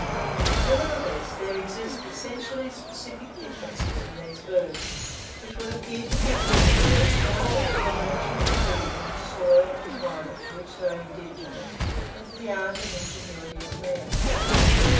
Nevertheless, there exist essentially specific differences in these birds, which would appear to be attributable rather to the nature of the region, soil, and climate to which they are indigenous, than to the art and ingenuity of man.